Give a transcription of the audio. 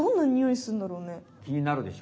きになるでしょ？